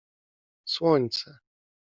Słońce.